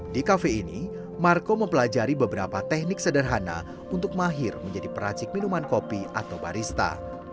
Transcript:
di kafe ini marco mempelajari beberapa teknik sederhana untuk mahir menjadi peracik minuman kopi atau barista